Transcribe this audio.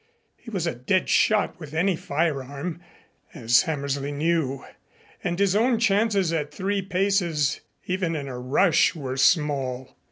He was a dead shot with any firearm, as Hammersley knew, and his own chances at three paces even in a rush were small.